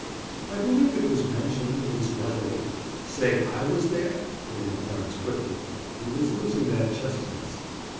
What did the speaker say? "I believe it was mentioned, incidentally." "Say I was there?" put in Clarence quickly. He was losing that "chestiness."